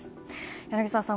柳澤さん